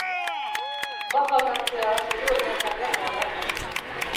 Bajak hartzea gero eta zailagoa da.